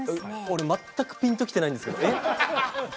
俺全くピンときてないんですけどえっ？